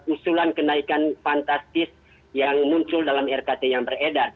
usulan kenaikan fantastis yang muncul dalam rkt yang beredar